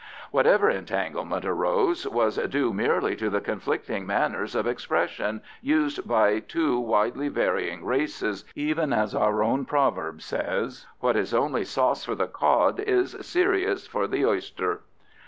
Whatever entanglement arose was due merely to the conflicting manners of expression used by two widely varying races, even as our own proverb says, "What is only sauce for the cod is serious for the oyster."